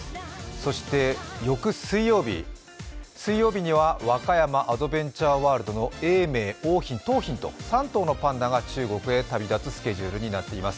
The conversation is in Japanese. そして、翌水曜日、水曜日には和歌山アドベンチャーワールドの永明、桜浜、桃浜と３頭のパンダが中国へ旅立つスケジュールとなっています。